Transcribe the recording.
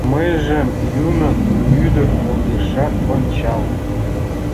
Мыйжым юмын ӱдыр огешат ончал!